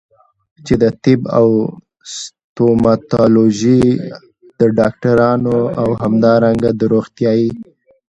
چې د طب او ستوماتولوژي د ډاکټرانو او همدارنګه د روغتيايي